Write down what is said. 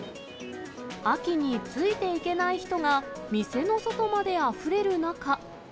秋についていけない人が店の外まであふれる中。